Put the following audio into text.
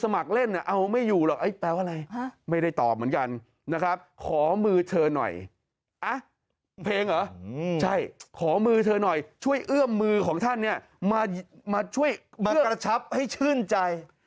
มากระชับให้ชื่นใจ